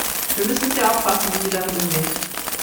Wir müssen sehr aufpassen, wie wir damit umgehen.